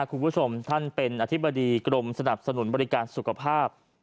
คุณผู้ชมท่านเป็นอธิบดีกรมสนับสนุนบริการสุขภาพ